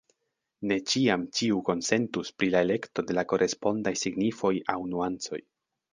Ne ĉiam ĉiu konsentus pri la elekto de la korespondaj signifoj aŭ nuancoj.